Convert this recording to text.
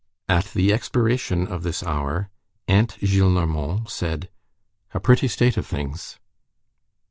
At the expiration of this hour, Aunt Gillenormand said:—"A pretty state of things!"